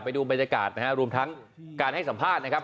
ไปดูบรรยากาศนะฮะรวมทั้งการให้สัมภาษณ์นะครับ